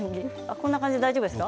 こんな感じで大丈夫ですか。